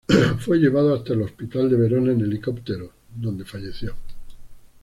Fue llevado hasta el hospital de Verona en helicóptero donde falleció.